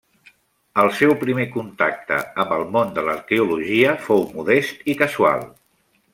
El seu primer contacte amb el món de l'arqueologia fou modest i casual.